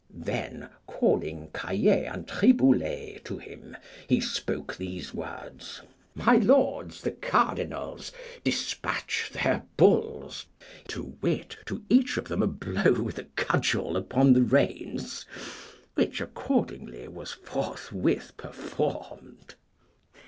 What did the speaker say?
Then, calling Caillet and Triboulet to him, he spoke these words, My lords the cardinals, despatch their bulls, to wit, to each of them a blow with a cudgel upon the reins. Which accordingly was forthwith performed.